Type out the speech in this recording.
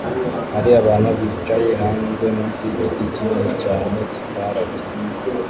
Hariho abantu bicaye hanze munsi yigiti kinini cyane kitarabye